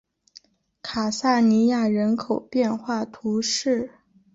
卡萨尼亚人口变化图示